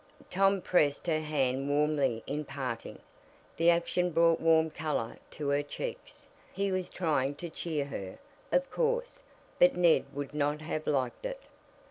Tom pressed her hand warmly in parting. The action brought warm color to her cheeks. He was trying to cheer her, of course, but Ned would not have liked it.